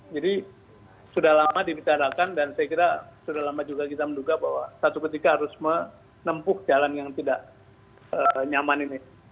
jadi sudah lama dibicarakan dan saya kira sudah lama juga kita menduga bahwa satu ketika harus menempuh jalan yang tidak nyaman ini